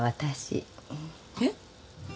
えっ？